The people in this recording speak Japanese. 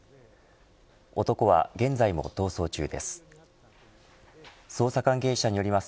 男は現在も逃走中です。